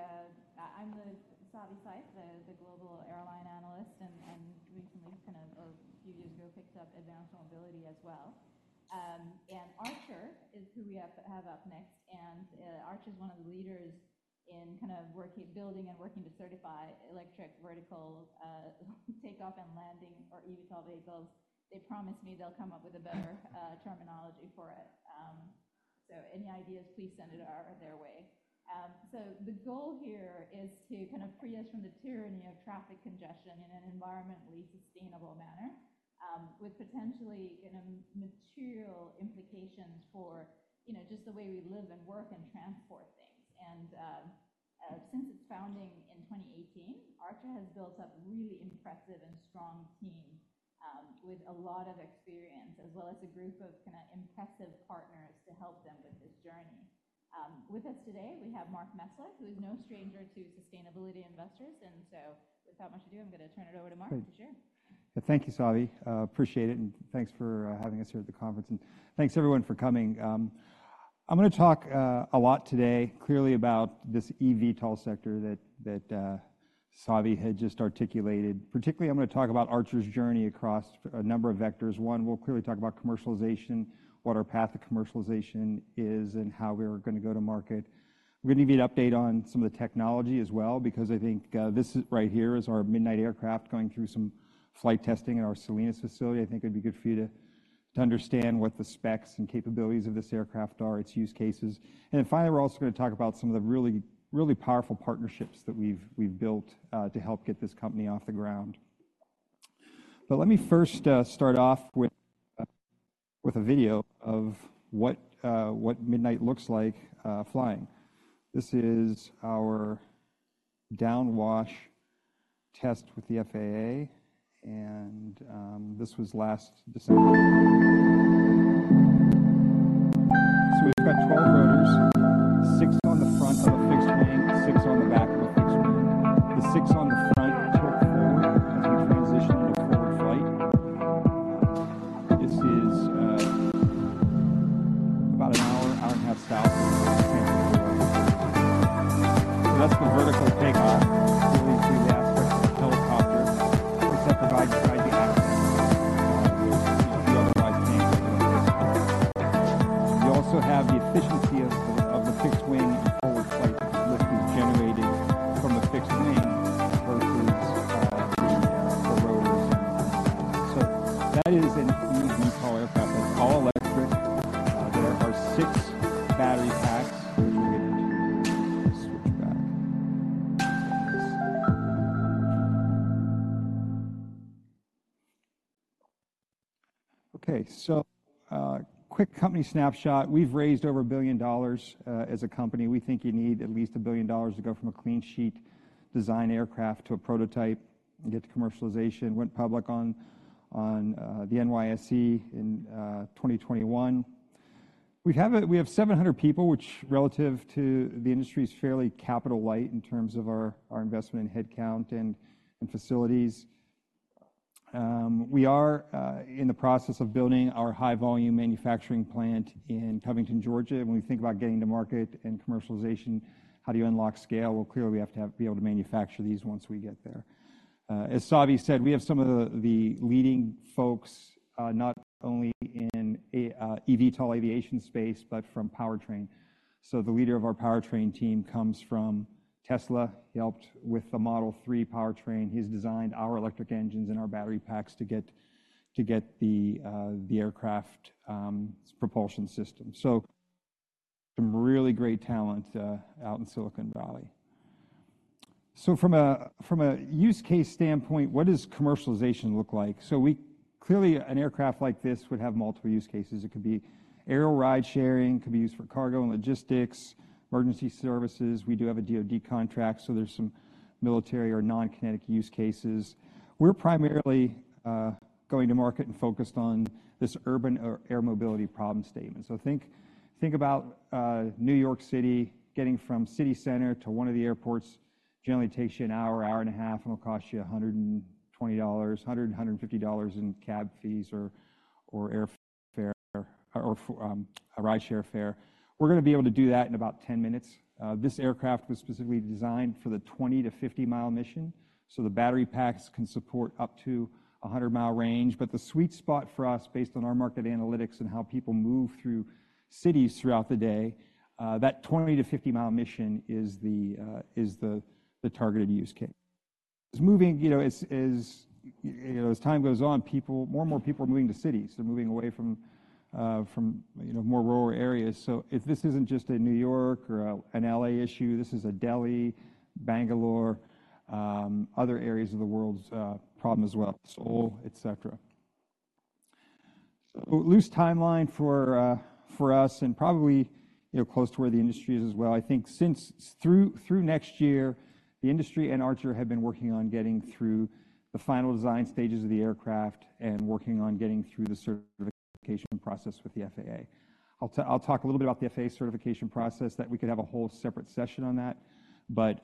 Of the conference. It, you know, we, I'm the Savi Syth, the global airline analyst, and recently kind of, a few years ago, picked up advanced mobility as well. And Archer is who we have up next, and Archer's one of the leaders in kind of building and working to certify electric vertical takeoff and landing or eVTOL vehicles. They promised me they'll come up with a better terminology for it. So any ideas, please send it their way. So the goal here is to kind of free us from the tyranny of traffic congestion in an environmentally sustainable manner, with potentially kind of material implications for, you know, just the way we live and work and transport things. Since its founding in 2018, Archer has built up a really impressive and strong team, with a lot of experience, as well as a group of kind of impressive partners to help them with this journey. With us today, we have Mark Mesler, who is no stranger to sustainability investors. So without much ado, I'm going to turn it over to Mark to share. Great. Yeah, thank you, Savi. Appreciate it, and thanks for having us here at the conference. Thanks, everyone, for coming. I'm going to talk a lot today, clearly, about this eVTOL sector that Savi had just articulated. Particularly, I'm going to talk about Archer's journey across a number of vectors. One, we'll clearly talk about commercialization, what our path to commercialization is, and how we're going to go to market. We're going to give you an update on some of the technology as well, because I think this right here is our Midnight aircraft going through some flight testing at our Salinas facility. I think it'd be good for you to understand what the specs and capabilities of this aircraft are, its use cases. And then finally, we're also going to talk about some of the really, really powerful partnerships that we've built to help get this company off the ground. But let me first start off with a video of what Midnight looks like flying. This is our downwash test with the FAA, and this was last December. So we've got 12 rotors, six on the front of a fixed wing, six on the back of a fixed wing. The six on the front tilt forward as we transition into forward flight. This is about an hour and a half south of San Diego Airport. So that's the vertical takeoff, really through the aspects of a helicopter, which provides drive the axis, which you know you otherwise can't get in a fixed wing. You also have the efficiency of the fixed wing in forward flight, which lift is generated from the fixed wing versus the rotors. So that is an eVTOL aircraft. That's all electric. There are six battery packs, which we'll get into when we switch back. Okay, so quick company snapshot. We've raised over $1 billion as a company. We think you need at least $1 billion to go from a clean sheet design aircraft to a prototype and get to commercialization. Went public on the NYSE in 2021. We have 700 people, which relative to the industry is fairly capital light in terms of our investment in headcount and facilities. We are in the process of building our high-volume manufacturing plant in Covington, Georgia. When we think about getting to market and commercialization, how do you unlock scale? Well, clearly, we have to be able to manufacture these once we get there. As Savi said, we have some of the leading folks, not only in the eVTOL aviation space, but from powertrain. So the leader of our powertrain team comes from Tesla. He helped with the Model 3 powertrain. He's designed our electric engines and our battery packs to get the aircraft propulsion system. So some really great talent out in Silicon Valley. So from a use case standpoint, what does commercialization look like? So clearly, an aircraft like this would have multiple use cases. It could be aerial ride-sharing, could be used for cargo and logistics, emergency services. We do have a DoD contract, so there's some military or non-kinetic use cases. We're primarily going to market and focused on this urban air mobility problem statement. So think about New York City, getting from city center to one of the airports generally takes you an hour, an hour and a half, and it'll cost you $120-$150 in cab fees or airfare or ride-share fare. We're going to be able to do that in about 10 minutes. This aircraft was specifically designed for the 20-50 mi mission, so the battery packs can support up to a 100 mi range. But the sweet spot for us, based on our market analytics and how people move through cities throughout the day, that 20-50 mi mission is the targeted use case. It's moving, you know, as you know, as time goes on, more and more people are moving to cities. They're moving away from, you know, more rural areas. So if this isn't just a New York or an L.A. issue, this is a Delhi, Bangalore, other areas of the world's problem as well, Seoul, etc. So, loose timeline for us and probably, you know, close to where the industry is as well. I think, since through next year, the industry and Archer have been working on getting through the final design stages of the aircraft and working on getting through the certification process with the FAA. I'll talk a little bit about the FAA certification process. We could have a whole separate session on that. But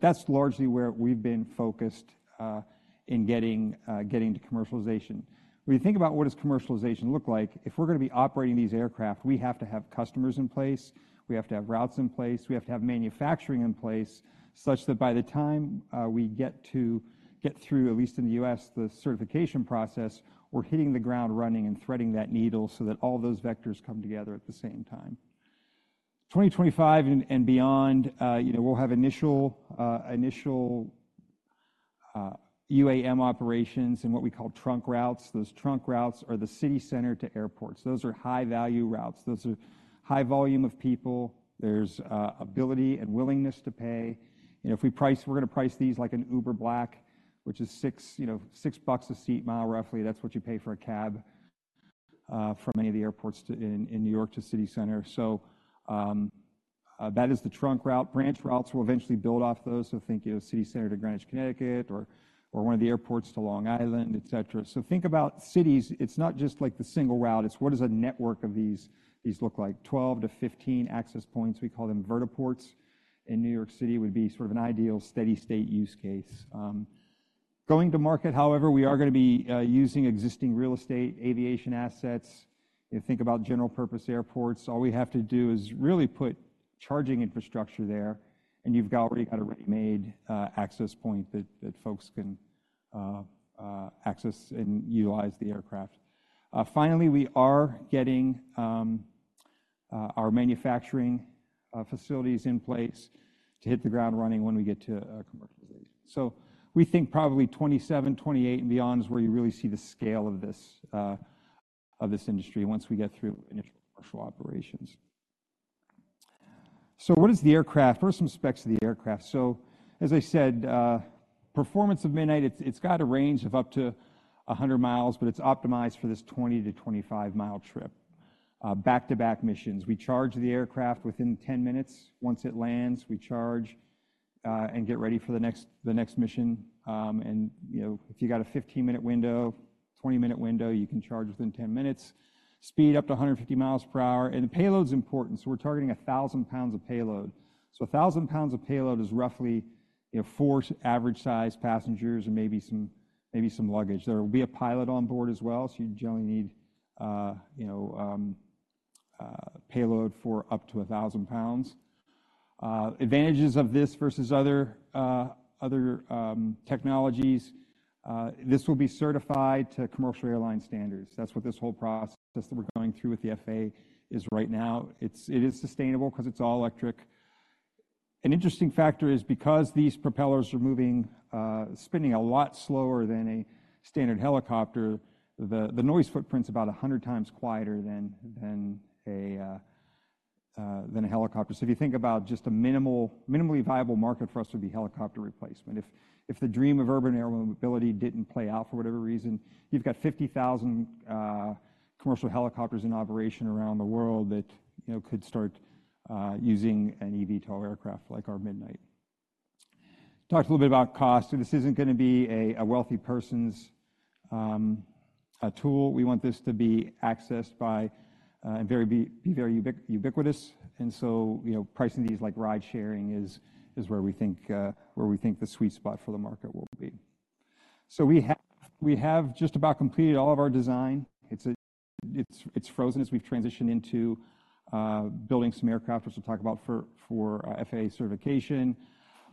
that's largely where we've been focused in getting to commercialization. When you think about what does commercialization look like, if we're going to be operating these aircraft, we have to have customers in place. We have to have routes in place. We have to have manufacturing in place such that by the time we get through, at least in the U.S., the certification process, we're hitting the ground running and threading that needle so that all those vectors come together at the same time. 2025 and beyond, you know, we'll have initial UAM operations and what we call trunk routes. Those trunk routes are the city center to airports. Those are high-value routes. Those are high volume of people. There's ability and willingness to pay. You know, if we price, we're going to price these like an Uber Black, which is $6 a seat mi roughly. That's what you pay for a cab, from any of the airports to the city center in New York. So, that is the trunk route. Branch routes will eventually build off those. So think, you know, city center to Greenwich, Connecticut, or one of the airports to Long Island, etc. So think about cities. It's not just like the single route. It's what does a network of these look like? 12-15 access points. We call them vertiports in New York City would be sort of an ideal steady-state use case. Going to market, however, we are going to be using existing real estate aviation assets. You think about general-purpose airports. All we have to do is really put charging infrastructure there, and you've already got a ready-made access point that folks can access and utilize the aircraft. Finally, we are getting our manufacturing facilities in place to hit the ground running when we get to commercialization. So we think probably 2027, 2028 and beyond is where you really see the scale of this, of this industry once we get through initial commercial operations. So what is the aircraft? First, some specs of the aircraft. So as I said, performance of Midnight, it's, it's got a range of up to 100 mi, but it's optimized for this 20- to 25 mi trip, back-to-back missions. We charge the aircraft within 10 minutes. Once it lands, we charge, and get ready for the next the next mission. And, you know, if you got a 15-minute window, 20-minute window, you can charge within 10 minutes, speed up to 150 mi per hour. And the payload's important. So we're targeting a 1,000 pounds of payload. So a 1,000 pounds of payload is roughly, you know, four average-sized passengers and maybe some maybe some luggage. There will be a pilot on board as well. So you generally need, you know, payload for up to 1,000 pounds. Advantages of this versus other technologies, this will be certified to commercial airline standards. That's what this whole process that we're going through with the FAA is right now. It is sustainable because it's all electric. An interesting factor is because these propellers are moving, spinning a lot slower than a standard helicopter, the noise footprint's about 100 times quieter than a helicopter. So if you think about just a minimally viable market for us would be helicopter replacement. If the dream of urban air mobility didn't play out for whatever reason, you've got 50,000 commercial helicopters in operation around the world that, you know, could start using an eVTOL aircraft like our Midnight. Talked a little bit about cost. So this isn't going to be a wealthy person's tool. We want this to be accessed by, and very be very ubiquitous. And so, you know, pricing these like ride-sharing is where we think the sweet spot for the market will be. So we have just about completed all of our design. It's frozen as we've transitioned into building some aircraft, which we'll talk about for FAA certification.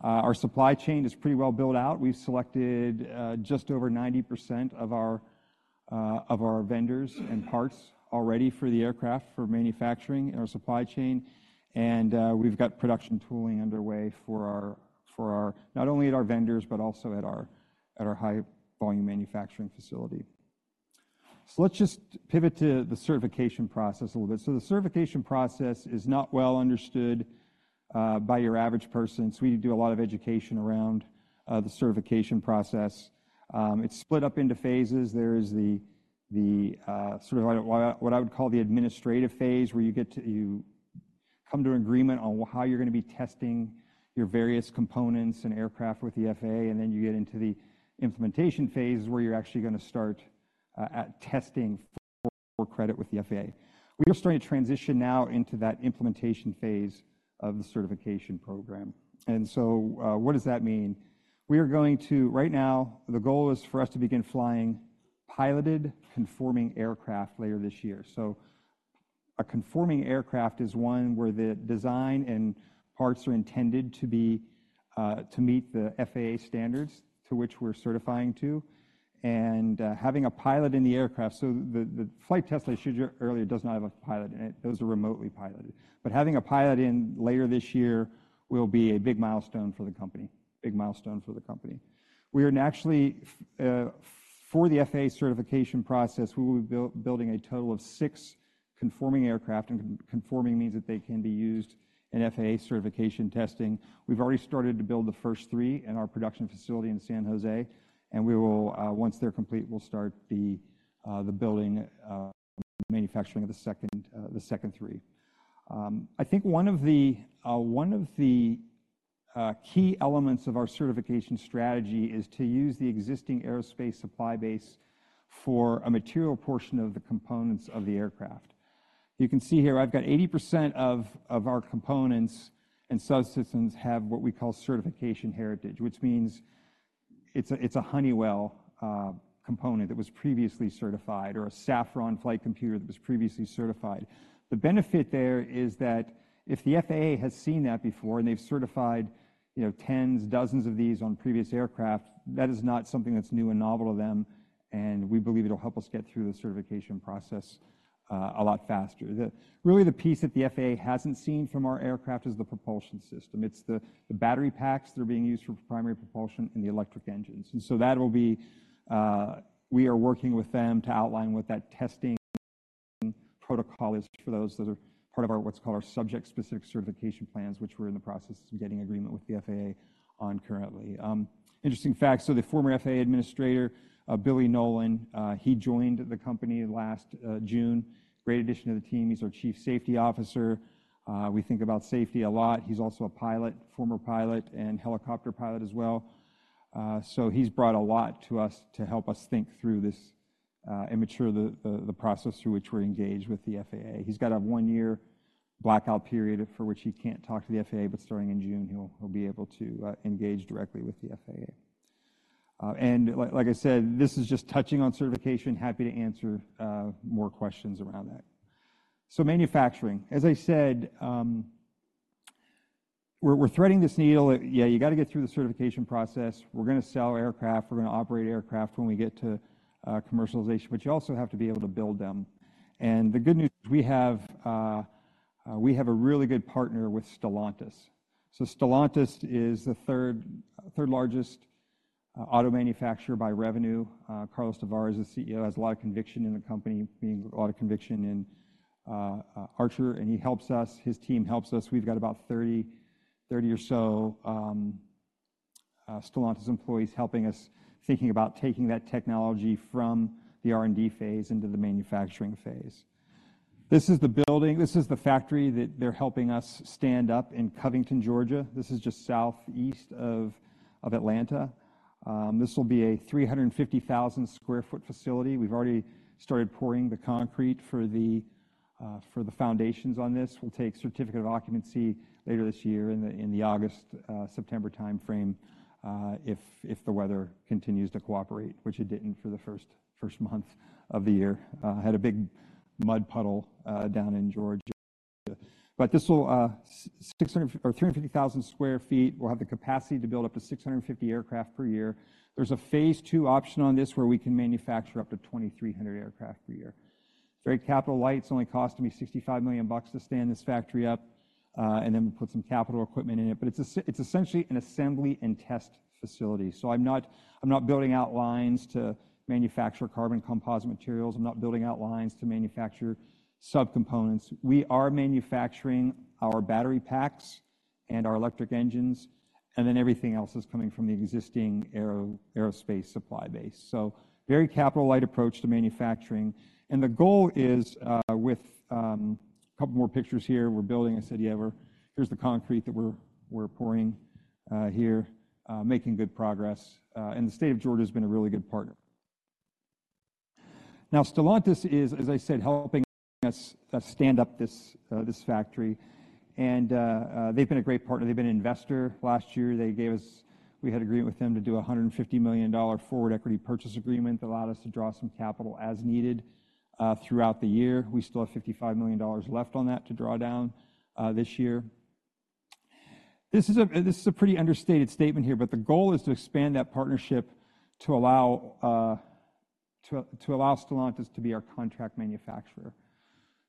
Our supply chain is pretty well built out. We've selected just over 90% of our vendors and parts already for the aircraft for manufacturing in our supply chain. And we've got production tooling underway for our not only at our vendors, but also at our high-volume manufacturing facility. So let's just pivot to the certification process a little bit. So the certification process is not well understood by your average person. So we do a lot of education around the certification process. It's split up into phases. There is the sort of what I would call the administrative phase where you come to an agreement on how you're going to be testing your various components and aircraft with the FAA. Then you get into the implementation phase where you're actually going to start at testing for credit with the FAA. We are starting to transition now into that implementation phase of the certification program. So what does that mean? We are going to right now, the goal is for us to begin flying piloted conforming aircraft later this year. So a conforming aircraft is one where the design and parts are intended to be, to meet the FAA standards to which we're certifying to. And having a pilot in the aircraft, so the flight test I showed you earlier does not have a pilot in it. Those are remotely piloted. But having a pilot in later this year will be a big milestone for the company. Big milestone for the company. We are naturally, for the FAA certification process, we will be building a total of six conforming aircraft. And conforming means that they can be used in FAA certification testing. We've already started to build the first three in our production facility in San Jose. And we will, once they're complete, we'll start the building, manufacturing of the second three. I think one of the key elements of our certification strategy is to use the existing aerospace supply base for a material portion of the components of the aircraft. You can see here, I've got 80% of our components and subsystems have what we call certification heritage, which means it's a Honeywell component that was previously certified or a Safran flight computer that was previously certified. The benefit there is that if the FAA has seen that before and they've certified, you know, tens, dozens of these on previous aircraft, that is not something that's new and novel to them. And we believe it'll help us get through the certification process a lot faster. Really, the piece that the FAA hasn't seen from our aircraft is the propulsion system. It's the battery packs that are being used for primary propulsion and the electric engines. And so that will be, we are working with them to outline what that testing protocol is for those that are part of our what's called our subject-specific certification plans, which we're in the process of getting agreement with the FAA on currently. Interesting fact. So the former FAA administrator, Billy Nolen, he joined the company last June. Great addition to the team. He's our Chief Safety Officer. We think about safety a lot. He's also a pilot, former pilot and helicopter pilot as well. So he's brought a lot to us to help us think through this, mature the process through which we're engaged with the FAA. He's got to have one year blackout period for which he can't talk to the FAA. But starting in June, he'll be able to engage directly with the FAA. And like I said, this is just touching on certification. Happy to answer more questions around that. So manufacturing, as I said, we're threading this needle. Yeah, you got to get through the certification process. We're going to sell aircraft. We're going to operate aircraft when we get to commercialization. But you also have to be able to build them. And the good news is we have a really good partner with Stellantis. So Stellantis is the third largest auto manufacturer by revenue. Carlos Tavares is CEO. Has a lot of conviction in the company, meaning a lot of conviction in Archer. And he helps us. His team helps us. We've got about 30, 30 or so, Stellantis employees helping us thinking about taking that technology from the R&D phase into the manufacturing phase. This is the building. This is the factory that they're helping us stand up in Covington, Georgia. This is just southeast of Atlanta. This will be a 350,000 sq ft facility. We've already started pouring the concrete for the foundations on this. We'll take certificate of occupancy later this year in the August-September timeframe, if the weather continues to cooperate, which it didn't for the first month of the year. Had a big mud puddle down in Georgia. But this will be 350,000 sq ft. We'll have the capacity to build up to 650 aircraft per year. There's a phase two option on this where we can manufacture up to 2,300 aircraft per year. It's very capital light. It's only costing me $65 million to stand this factory up, and then we put some capital equipment in it. But it's essentially an assembly and test facility. So I'm not building autoclaves to manufacture carbon composite materials. I'm not building autoclaves to manufacture subcomponents. We are manufacturing our battery packs and our electric engines. And then everything else is coming from the existing aerospace supply base. So very capital light approach to manufacturing. And the goal is, with a couple more pictures here we're building. I said earlier, here's the concrete that we're pouring here, making good progress. The State of Georgia has been a really good partner. Now, Stellantis is, as I said, helping us stand up this factory. And they've been a great partner. They've been an investor last year. They gave us. We had agreement with them to do a $150 million forward equity purchase agreement that allowed us to draw some capital as needed, throughout the year. We still have $55 million left on that to draw down, this year. This is a pretty understated statement here, but the goal is to expand that partnership to allow Stellantis to be our contract manufacturer.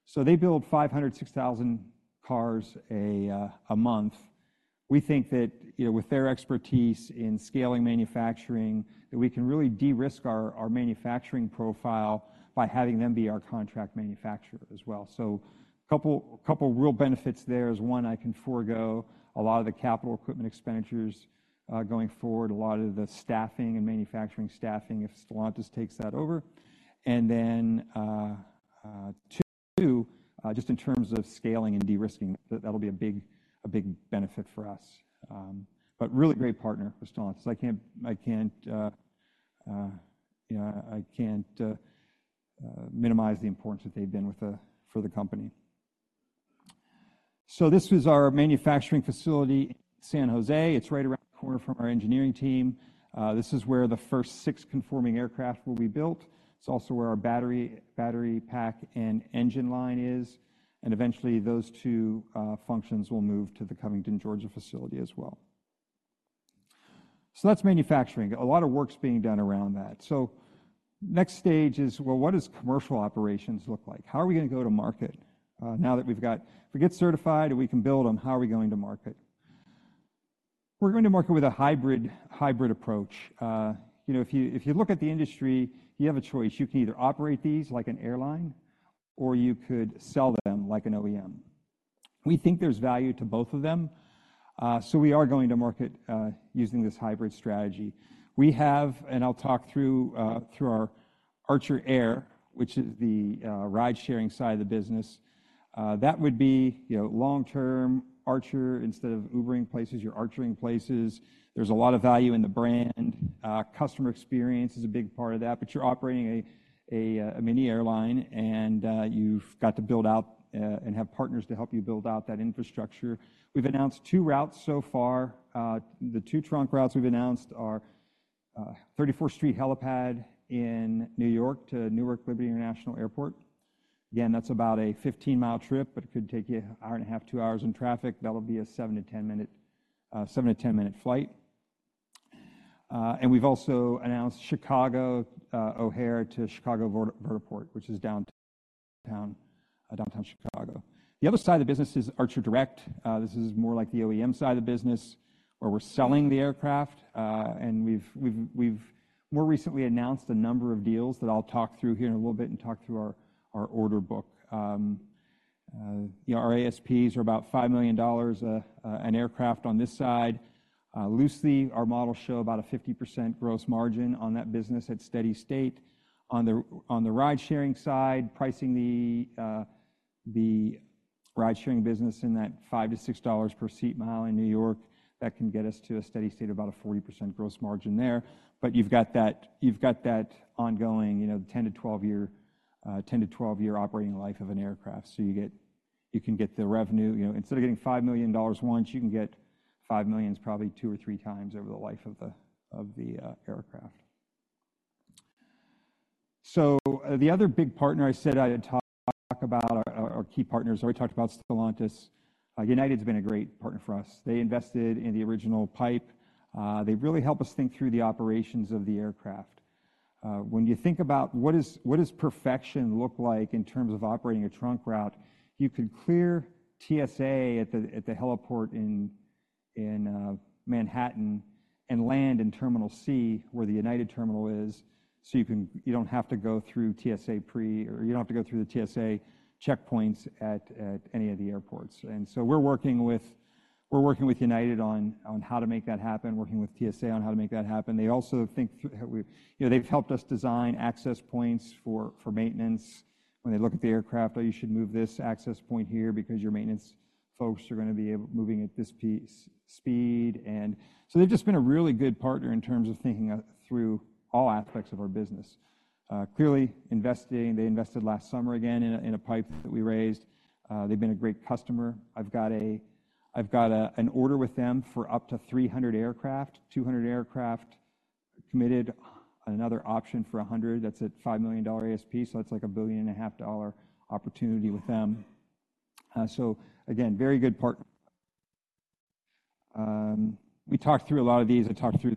So they build 506,000 cars a month. We think that, you know, with their expertise in scaling manufacturing, that we can really de-risk our manufacturing profile by having them be our contract manufacturer as well. So a couple real benefits there is one, I can forego a lot of the capital equipment expenditures, going forward, a lot of the staffing and manufacturing staffing if Stellantis takes that over. Then, two, just in terms of scaling and de-risking, that'll be a big benefit for us. But really great partner with Stellantis. I can't, you know, minimize the importance that they've been to the company. So this was our manufacturing facility in San Jose. It's right around the corner from our engineering team. This is where the first 6 conforming aircraft will be built. It's also where our battery pack and engine line is. And eventually those two functions will move to the Covington, Georgia facility as well. So that's manufacturing. A lot of work's being done around that. So next stage is, well, what does commercial operations look like? How are we going to go to market now that we've got if we get certified and we can build them, how are we going to market? We're going to market with a hybrid hybrid approach. You know, if you if you look at the industry, you have a choice. You can either operate these like an airline or you could sell them like an OEM. We think there's value to both of them. So we are going to market using this hybrid strategy. We have and I'll talk through through our Archer Air, which is the ride-sharing side of the business. That would be, you know, long-term Archer instead of Ubering places, you're archering places. There's a lot of value in the brand. Customer experience is a big part of that. But you're operating a a a mini airline and you've got to build out and have partners to help you build out that infrastructure. We've announced two routes so far. The two trunk routes we've announced are 34th Street helipad in New York to Newark Liberty International Airport. Again, that's about a 15-mile trip, but it could take you an hour and a half, two hours in traffic. That'll be a 7-10 minute flight. We've also announced Chicago O'Hare to Chicago Vertiport, which is downtown Chicago. The other side of the business is Archer Direct. This is more like the OEM side of the business where we're selling the aircraft. We've more recently announced a number of deals that I'll talk through here in a little bit and talk through our order book. You know, our ASPs are about $5 million an aircraft on this side. Loosely, our models show about a 50% gross margin on that business at steady state. On the ride-sharing side, pricing the ride-sharing business in that $5-$6 per seat mile in New York, that can get us to a steady state of about a 40% gross margin there. But you've got that ongoing, you know, the 10-12-year operating life of an aircraft. So you can get the revenue, you know, instead of getting $5 million once, you can get $5 million probably two or three times over the life of the aircraft. So the other big partner I said I'd talk about our key partners, I already talked about Stellantis. United's been a great partner for us. They invested in the original PIPE. They really help us think through the operations of the aircraft. When you think about what does perfection look like in terms of operating a trunk route? You could clear TSA at the heliport in Manhattan and land in Terminal C where the United terminal is. So you don't have to go through TSA pre or you don't have to go through the TSA checkpoints at any of the airports. So we're working with United on how to make that happen, working with TSA on how to make that happen. They also think through. You know, they've helped us design access points for maintenance. When they look at the aircraft, oh, you should move this access point here because your maintenance folks are going to be able to move this piece at this speed. They've just been a really good partner in terms of thinking through all aspects of our business. Clearly investing. They invested last summer again in a PIPE that we raised. They've been a great customer. I've got an order with them for up to 300 aircraft, 200 aircraft committed, another option for 100. That's at $5 million ASP. So that's like a $1.5 billion opportunity with them. So again, very good partner. We talked through a lot of these. I talked through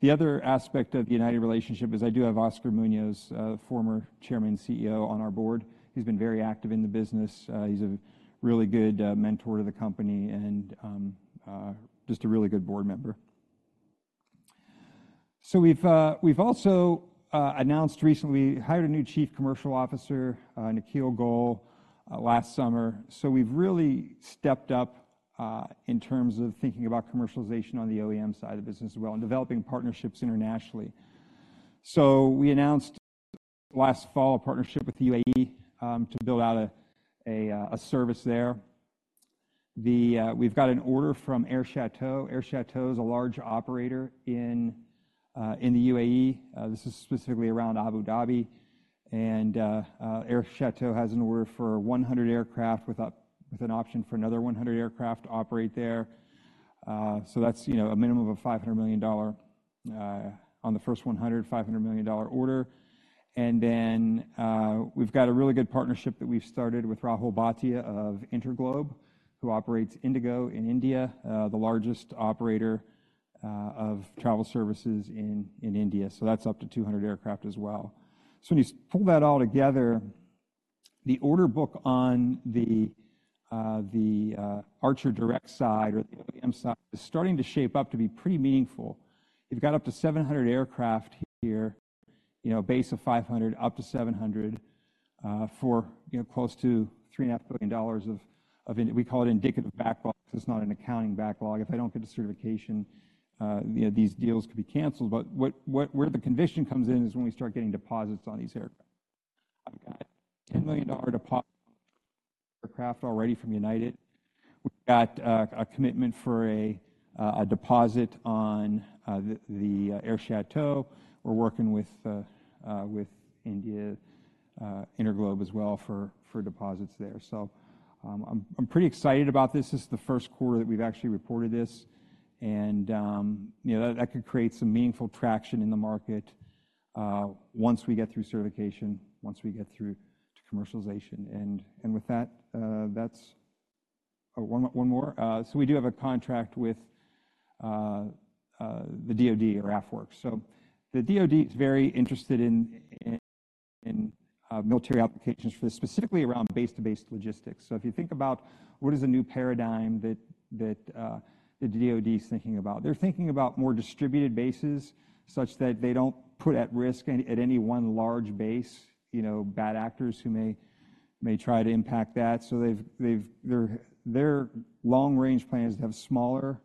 the other aspect of the United relationship is I do have Oscar Munoz, former chairman and CEO on our board. He's been very active in the business. He's a really good mentor to the company and just a really good board member. So we've also announced recently we hired a new Chief Commercial Officer, Nikhil Goel, last summer. So we've really stepped up in terms of thinking about commercialization on the OEM side of the business as well and developing partnerships internationally. So we announced last fall a partnership with the UAE to build out a service there. We've got an order from Air Chateau. Air Chateau is a large operator in the UAE. This is specifically around Abu Dhabi. And Air Chateau has an order for 100 aircraft with an option for another 100 aircraft to operate there. So that's, you know, a minimum of a $500 million on the first 100 $500 million order. And then we've got a really good partnership that we've started with Rahul Bhatia of InterGlobe, who operates IndiGo in India, the largest operator of travel services in India. So that's up to 200 aircraft as well. So when you pull that all together, the order book on the Archer Direct side or the OEM side is starting to shape up to be pretty meaningful. You've got up to 700 aircraft here, you know, base of 500, up to 700 for, you know, close to $3.5 billion of we call it indicative backlog. It's not an accounting backlog. If I don't get a certification, you know, these deals could be canceled. But what where the conviction comes in is when we start getting deposits on these aircraft. I've got $10 million deposit on aircraft already from United. We've got a commitment for a deposit on the Air Chateau. We're working with InterGlobe as well for deposits there. So I'm pretty excited about this. This is the first quarter that we've actually reported this. And you know, that could create some meaningful traction in the market once we get through certification, once we get through to commercialization. And with that, that's one more. So we do have a contract with the DOD or AFWERX. So the DOD is very interested in military applications for this, specifically around base to base logistics. So if you think about what is a new paradigm that the DoD is thinking about, they're thinking about more distributed bases such that they don't put at risk at any one large base, you know, bad actors who may try to impact that. So they've their long range plan is to have smaller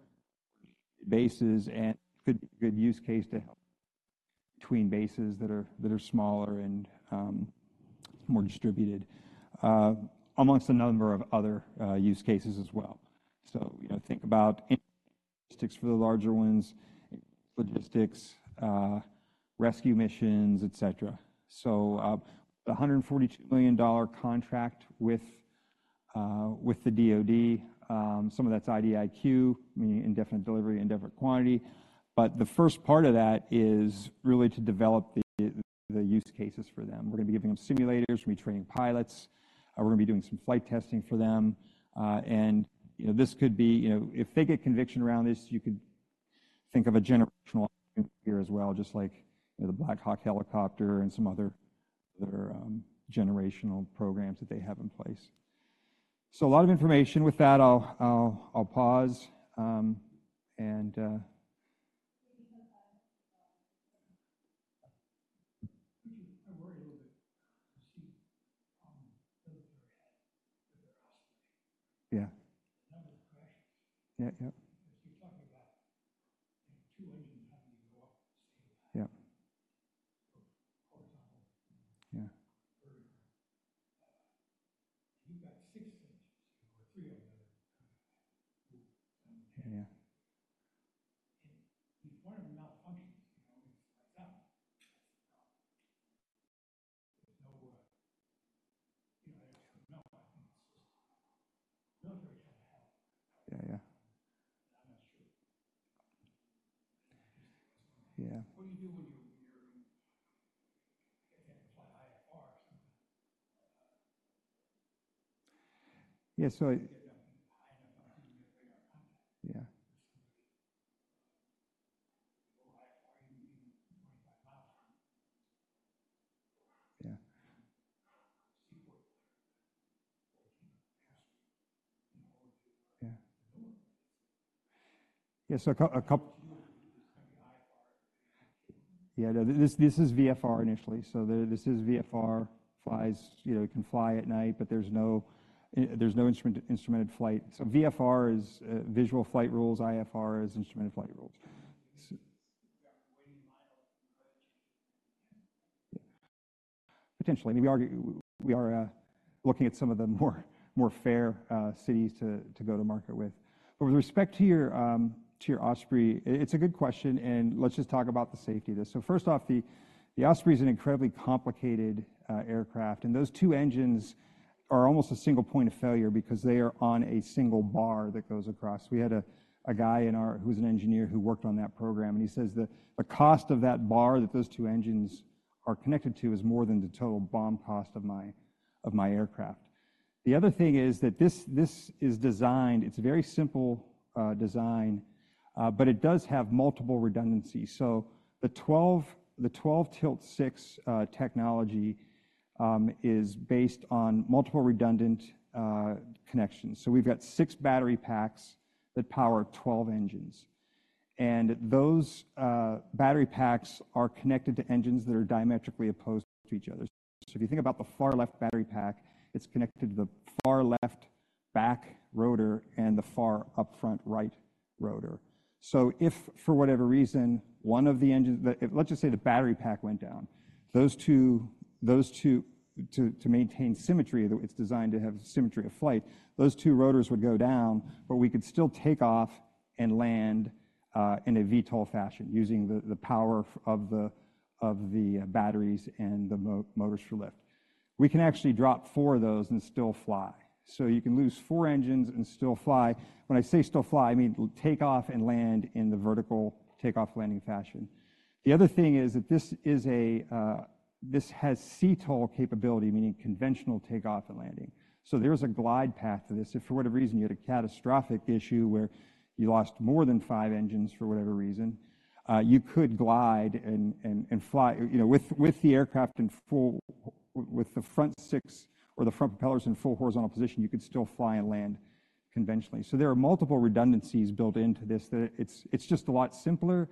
bases and could be a good use case to help between bases that are smaller and more distributed amongst a number of other use cases as well. So, you know, think about any logistics for the larger ones, logistics, rescue missions, et cetera. So the $142 million contract with the DoD, some of that's IDIQ, meaning indefinite delivery, indefinite quantity. But the first part of that is really to develop the use cases for them. We're going to be giving them simulators. We're going to be training pilots. We're going to be doing some flight testing for them. And, you know, this could be, you know, if they get conviction around this, you could think of a generational option here as well, just like, you know, the Black Hawk helicopter and some other generational programs that they have in place. So a lot of information with that. I'll pause. I worry a little bit to see military had with their hospitality. Yeah. The number of crashes. Yeah, yeah. As you're talking about, you know, two engines having to go up the same guy. Yeah. Of horizontal. Yeah. Very hard. And What do you do when you're in I can't apply IFR because I'm not high enough up to get radar contact. Yeah. With somebody. Low IFR, you can be even 25 miles from. Yeah. Seaport flight or 14 past you in order to. Yeah. To know where it is. Yeah. So a couple. Do you know if it's going to be IFR? Yeah. This is VFR initially. So this is VFR flies, you know, it can fly at night, but there's no instrument flight. So VFR is visual flight rules. IFR is instrument flight rules. So you've got waiting miles in credit. Yeah. Potentially. I mean, we argue. We are looking at some of the more fair cities to go to market with. But with respect to your Osprey, it's a good question. Let's just talk about the safety of this. So first off, the Osprey is an incredibly complicated aircraft. Those two engines are almost a single point of failure because they are on a single bar that goes across. We had a guy in our who was an engineer who worked on that program. And he says the cost of that bar that those two engines are connected to is more than the total bomb cost of my aircraft. The other thing is that this is designed. It's a very simple design, but it does have multiple redundancies. So the 12-tilt-6 technology is based on multiple redundant connections. So we've got six battery packs that power 12 engines. And those battery packs are connected to engines that are diametrically opposed to each other. So if you think about the far left battery pack, it's connected to the far left back rotor and the far up front right rotor. So if for whatever reason one of the engines, let's just say the battery pack went down, those two to maintain symmetry, it's designed to have symmetry of flight. Those two rotors would go down, but we could still take off and land in a VTOL fashion using the power of the batteries and the motors for lift. We can actually drop four of those and still fly. So you can lose four engines and still fly. When I say still fly, I mean take off and land in the vertical takeoff landing fashion. The other thing is that this has STOL capability, meaning conventional takeoff and landing. So there's a glide path to this. If for whatever reason you had a catastrophic issue where you lost more than five engines for whatever reason, you could glide and fly, you know, with the aircraft in full, with the front six or the front propellers in full horizontal position, you could still fly and land conventionally. So there are multiple redundancies built into this that it's just a lot simpler.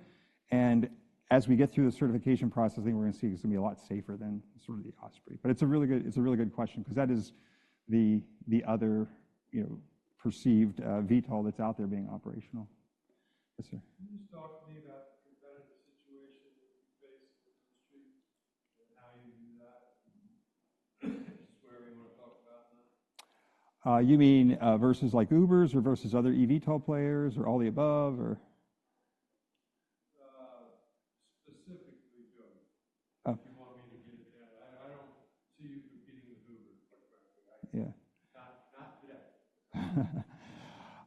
And as we get through the certification process, I think we're going to see it's going to be a lot safer than sort of the Osprey. But it's a really good question because that is the other, you know, perceived VTOL that's out there being operational. Yes, sir. Can you just talk to me about the competitive situation that you face in the industry and how you do that? Is this where we want to talk about that? You mean versus like Ubers or versus other eVTOL players or all the above or? Specifically Joby. If you want me to get it down. I don't see you competing with Uber, quite frankly. Yeah. Not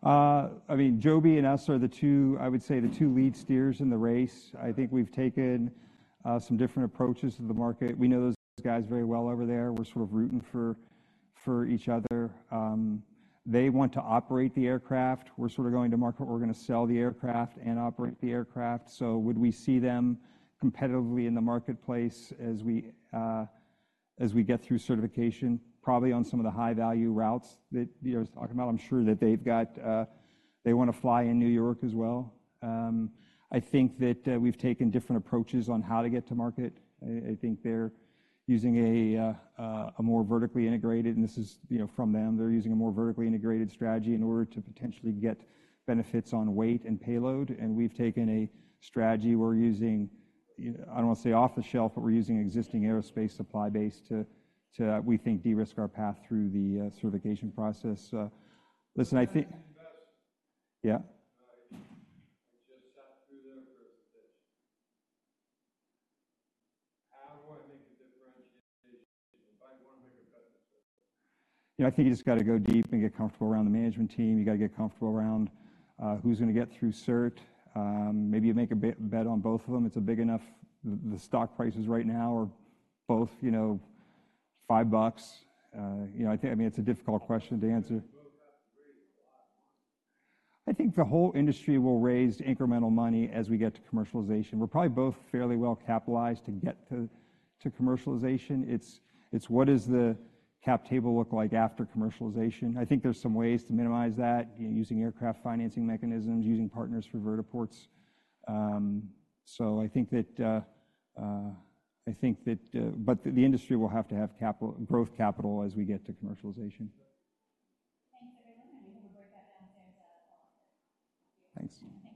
not today. I mean, Joby and us are the two, I would say the two lead steers in the race. I think we've taken some different approaches to the market. We know those guys very well over there. We're sort of rooting for for each other. They want to operate the aircraft. We're sort of going to market. We're going to sell the aircraft and operate the aircraft. So would we see them competitively in the marketplace as we as we get through certification, probably on some of the high value routes that you're talking about? I'm sure that they've got they want to fly in New York as well. I think that we've taken different approaches on how to get to market. I think they're using a more vertically integrated and this is, you know, from them. They're using a more vertically integrated strategy in order to potentially get benefits on weight and payload. We've taken a strategy. We're using, you know, I don't want to say off the shelf, but we're using existing aerospace supply base to, we think de-risk our path through the certification process. Listen, I think. Yeah. I just sat through their presentation. How do I make a differentiation? If I want to make a bet with CERT. You know, I think you just got to go deep and get comfortable around the management team. You got to get comfortable around who's going to get through CERT. Maybe you make a bet on both of them. It's a big enough the stock prices right now are both, you know, $5. You know, I think I mean, it's a difficult question to answer. I think the whole industry will raise incremental money as we get to commercialization. We're probably both fairly well capitalized to get to to commercialization. It's it's what does the cap table look like after commercialization? I think there's some ways to minimize that, you know, using aircraft financing mechanisms, using partners for vertiports. So I think that I think that but the industry will have to have capital growth capital as we get to commercialization. Thanks, everyone. And we have a breakout downstairs at 12:30. Thanks. Thanks, Mark. Okay.